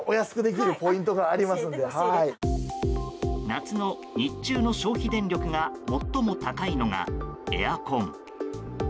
夏の日中の消費電力が最も高いのがエアコン。